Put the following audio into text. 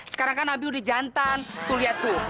sekarang kan abi udah jantan tuh liat tuh